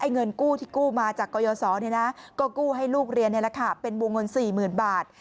เงินกู้ที่กู้มาจากกรยศก็กู้ให้ลูกเรียนเป็นมวงงน๔๐๐๐๐บาท